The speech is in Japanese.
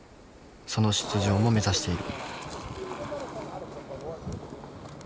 その出場も目指している。